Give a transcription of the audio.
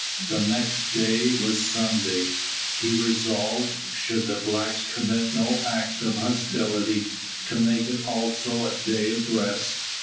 The next day was Sunday. He resolved, should the blacks commit no act of hostility, to make it also a day of rest.